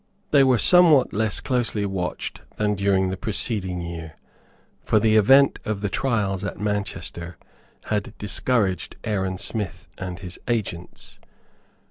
They were somewhat less closely watched than during the preceding year; for the event of the trials at Manchester had discouraged Aaron Smith and his agents.